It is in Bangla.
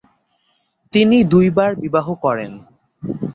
তিনি দুইবার বিবাহ করেন।